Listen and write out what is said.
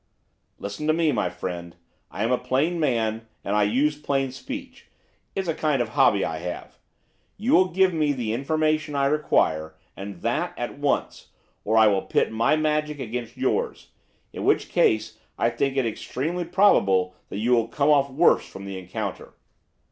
'Listen to me, my friend. I am a plain man, and I use plain speech, it's a kind of hobby I have. You will give me the information I require, and that at once, or I will pit my magic against yours, in which case I think it extremely probable that you will come off worst from the encounter.